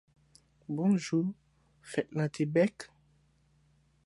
bonjou fèt lan te bek!!!!